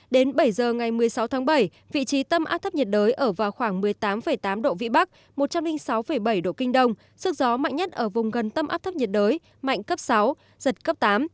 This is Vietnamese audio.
đến bảy giờ ngày một mươi sáu tháng bảy vị trí tâm áp thấp nhiệt đới ở vào khoảng một mươi tám tám độ vĩ bắc một trăm linh sáu bảy độ kinh đông sức gió mạnh nhất ở vùng gần tâm áp thấp nhiệt đới mạnh cấp sáu giật cấp tám